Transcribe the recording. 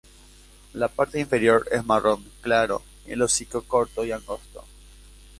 La parte inferior es marrón claro y el hocico corto y angosto.